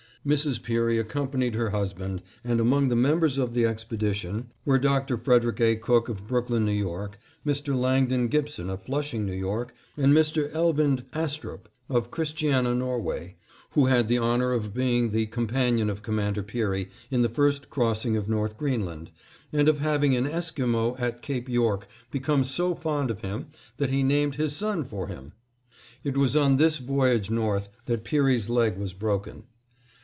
Mrs. Peary accompanied her husband, and among the members of the expedition were Dr. Frederick A. Cook, of Brooklyn, N. Y., Mr. Langdon Gibson, of Flushing, N. Y., and Mr. Eivind Astrüp, of Christiania, Norway, who had the honor of being the companion of Commander Peary in the first crossing of North Greenland and of having an Esquimo at Cape York become so fond of him that he named his son for him! It was on this voyage north that Peary's leg was broken.